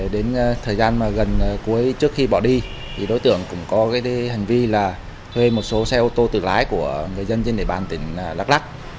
đến thời gian gần cuối trước khi bỏ đi đối tượng cũng có hành vi thuê một số xe ô tô tự lái của người dân trên đề bàn tỉnh lạc lắc